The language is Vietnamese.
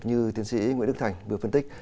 như tiến sĩ nguyễn đức thành vừa phân tích